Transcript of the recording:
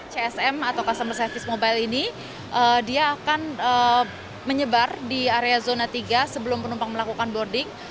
csm atau customer service mobile ini dia akan menyebar di area zona tiga sebelum penumpang melakukan boarding